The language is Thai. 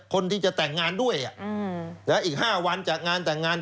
คนที่จะแต่งงานด้วยอีก๕วันจากงานแต่งงาน